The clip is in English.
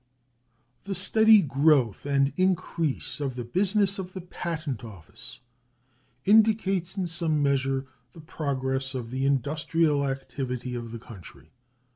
The steady growth and increase of the business of the Patent Office indicates in some measure the progress of the industrial activity of the country.